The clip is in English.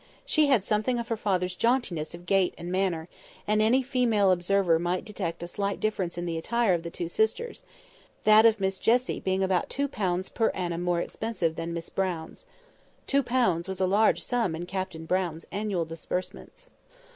She had something of her father's jauntiness of gait and manner; and any female observer might detect a slight difference in the attire of the two sisters—that of Miss Jessie being about two pounds per annum more expensive than Miss Brown's. Two pounds was a large sum in Captain Brown's annual disbursements.